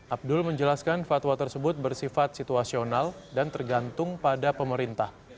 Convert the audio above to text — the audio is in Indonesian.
abdul menjelaskan fatwa tersebut bersifat situasional dan tergantung pada pemerintah